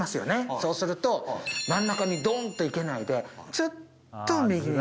そうすると真ん中にドンと生けないでちょっと右に。